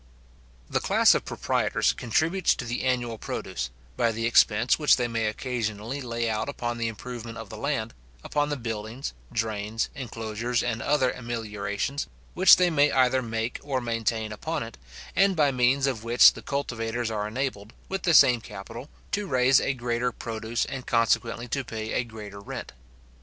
The class of proprietors contributes to the annual produce, by the expense which they may occasionally lay out upon the improvement of the land, upon the buildings, drains, inclosures, and other ameliorations, which they may either make or maintain upon it, and by means of which the cultivators are enabled, with the same capital, to raise a greater produce, and consequently to pay a greater rent.